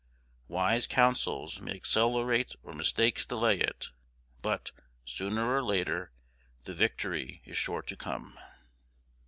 Wise counsels may accelerate or mistakes delay it; but, sooner or later, the victory is sure to come.